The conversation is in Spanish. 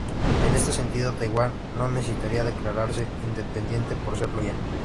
En este sentido, Taiwán no necesitaría declararse independiente por serlo ya.